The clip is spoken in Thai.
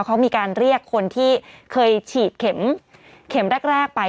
เขามีการเรียกคนที่เคยฉีดเข็มแรกไป